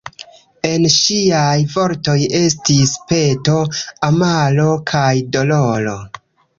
En ŝiaj vortoj estis peto, amaro kaj doloro.